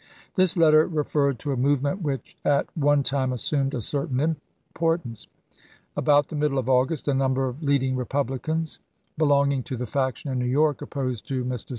This letter referred to a movement which at one time assumed a certain importance. About the middle of August a number of leading Eepublicans, LINCOLN REELECTED 367 belonging to the faction in New York opposed to chap. xvi. Mr.